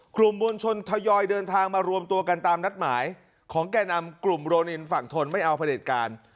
มวลชนทยอยเดินทางมารวมตัวกันตามนัดหมายของแก่นำกลุ่มโรนินฝั่งทนไม่เอาผลิตการ